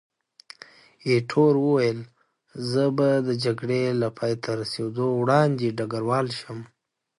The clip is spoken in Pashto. ایټور وویل، زه به د جګړې له پایته رسېدو وړاندې ډګروال شم.